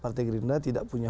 partai green dress tidak punya